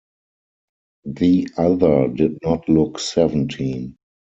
The other did not look seventeen.